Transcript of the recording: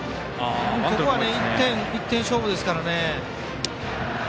ここは１点勝負ですからね。